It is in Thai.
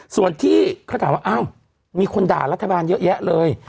ส่วนที่เขาถามว่าอ้าวมีคนด่ารัฐบาลเยอะแยะเลย